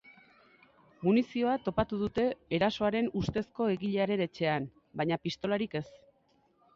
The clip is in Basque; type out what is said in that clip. Munizioa topatu dute erasoaren ustezko egilearen etxean, baina pistolarik ez.